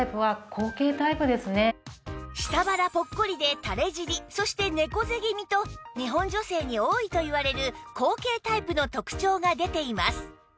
下腹ポッコリでたれ尻そして猫背気味と日本女性に多いといわれる後傾タイプの特徴が出ています